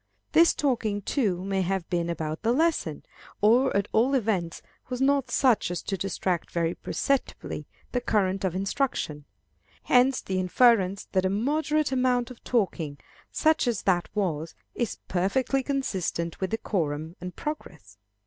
This talking, too, may have been about the lesson, or at all events was not such as to distract very perceptibly the current of instruction. Hence the inference that a moderate amount of talking, such as that was, is perfectly consistent with decorum and progress.